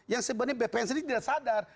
yang sebenarnya bpn sendiri tidak sadar